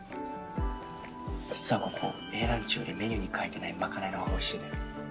実はここＡランチよりメニューに書いてないまかないの方がおいしいんだよ。